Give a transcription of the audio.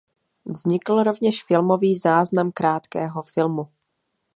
Vznikl rovněž filmový záznam Krátkého filmu.